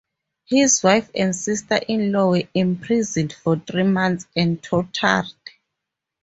His wife and sister-in-law were imprisoned for three months and tortured.